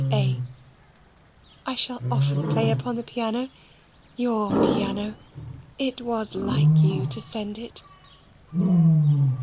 A. I shall often play upon the piano your piano. It was like you to send it.